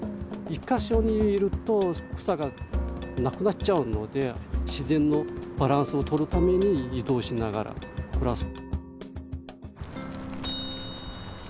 １か所にいると草がなくなっちゃうので自然のバランスをとるために移動しながら暮らす。